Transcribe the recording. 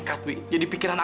kamu taking error